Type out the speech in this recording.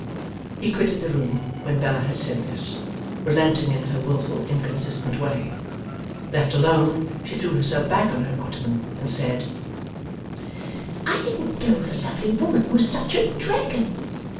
He quitted the room when Bella had said this, relenting in her wilful inconsistent way. Left alone, she threw herself back on her ottoman, and said, 'I didn't know the lovely woman was such a Dragon!